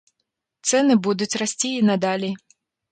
Цэны будуць расці і надалей.